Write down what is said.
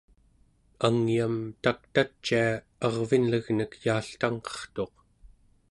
angyam taktacia arvinlegnek yaaltangqertuq